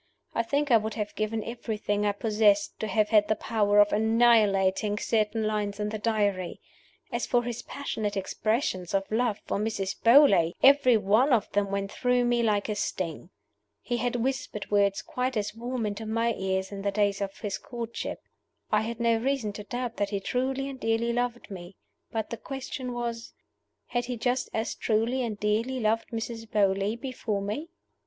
I think I would have given everything I possessed to have had the power of annihilating certain lines in the Diary. As for his passionate expressions of love for Mrs. Beauly, every one of them went through me like a sting. He had whispered words quite as warm into my ears in the days of his courtship. I had no reason to doubt that he truly and dearly loved me. But the question was, Had he just as truly and dearly loved Mrs. Beauly before me?